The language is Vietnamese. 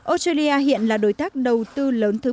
australia hiện là đối tác đầu tư lớn thứ một mươi chín